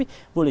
itu nggak boleh